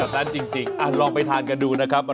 เป็นแบบนั้นจริงรอไปทานกันดูนะครับ